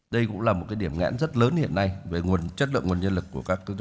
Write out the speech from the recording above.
đây cũng là một điểm nghẽn rất lớn hiện nay về chất lượng nguồn nhân lực